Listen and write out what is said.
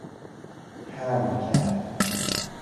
حمل کرد